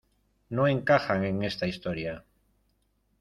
no encajan en esta historia.